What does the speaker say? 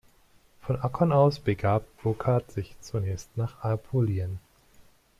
Von Akkon aus begab Burchard sich zunächst nach Apulien.